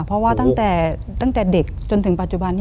เพราะว่าตั้งแต่เด็กจนถึงปัจจุบันนี้